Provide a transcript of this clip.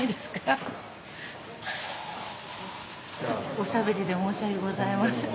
おしゃべりで申し訳ございません。